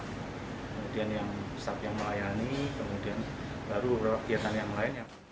kemudian staff yang melayani kemudian baru kegiatan yang lainnya